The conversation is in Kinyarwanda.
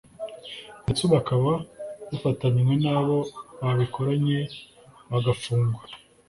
ndetse ubu akaba yafatanywe n’abo babikoranye bagafungwa